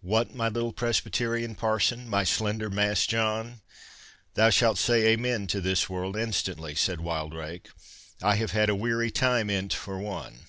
"What, my little Presbyterian Parson, my slender Mass John? thou shalt say amen to this world instantly"—said Wildrake; "I have had a weary time in't for one.